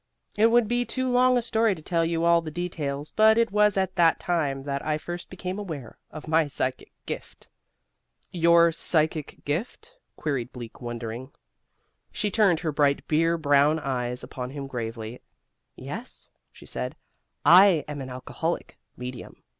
It would be too long a story to tell you all the details, but it was at that time that I first became aware of my psychic gift." "Your psychic gift?" queried Bleak, wondering. She turned her bright beer brown eyes upon him gravely. "Yes," she said, "I am an alcoholic medium.